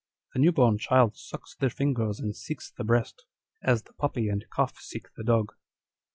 The new born child sucks the fingers and seeks the breast, as the puppy and calf seek the dug."